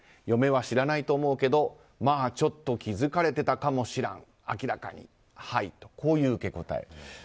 嫁は知らないと思うけどまあ、ちょっと気づかれてたかもしらん明らかにはい、という受け答え。